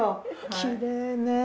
きれいね。